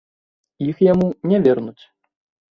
Іх яму не вернуць.